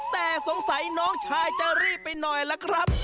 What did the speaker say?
แต่สงสัยน้องชายจะรีบไปหน่อยล่ะครับ